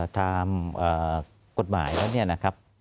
ตามกฎหมายแล้วเนี่ยนะครับ